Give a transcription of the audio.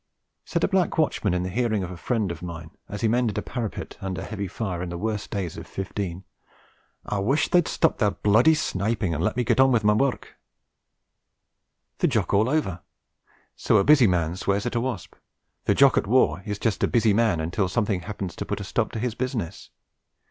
Said a Black Watchman in the hearing of a friend of mine, as he mended a parapet under heavy fire, in the worst days of '15: 'I wish they'd stop their bloody sniping and let me get on with my work!' The Jock all over! So a busy man swears at a wasp; the Jock at war is just a busy man until something happens to put a stop to his business.